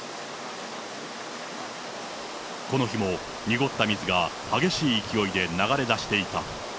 この日も濁った水が激しい勢いで流れ出していた。